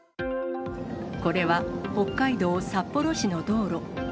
これは北海道札幌市の道路。